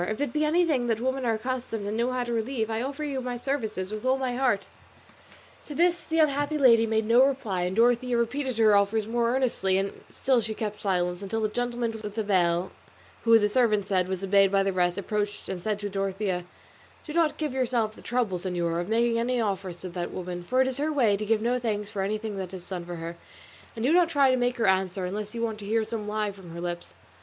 If it be anything that women are accustomed and know how to relieve, I offer you my services with all my heart." To this the unhappy lady made no reply; and though Dorothea repeated her offers more earnestly she still kept silence, until the gentleman with the veil, who, the servant said, was obeyed by the rest, approached and said to Dorothea, "Do not give yourself the trouble, señora, of making any offers to that woman, for it is her way to give no thanks for anything that is done for her; and do not try to make her answer unless you want to hear some lie from her lips."